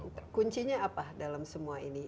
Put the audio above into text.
kuncinya apa dalam semua ini